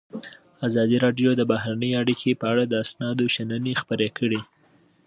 ازادي راډیو د بهرنۍ اړیکې په اړه د استادانو شننې خپرې کړي.